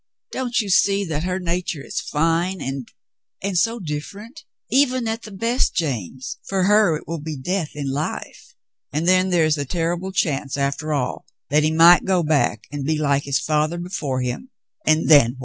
Don't you see that her nature is fine and — and so dif ferent — even at the best, James, for her it will be death in life. And then there is the terrible chance, after all, that he might go back and be like his father before him, and then what ?